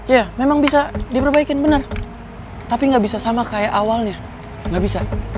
ya memang bisa diperbaikin bener tapi gak bisa sama kayak awalnya gak bisa